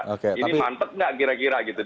ini mantet nggak kira kira gitu